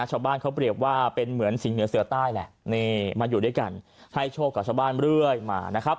ชาวบ้านเขาเปรียบว่าเป็นเหมือนสิงเหนือเสือใต้แหละนี่มาอยู่ด้วยกันให้โชคกับชาวบ้านเรื่อยมานะครับ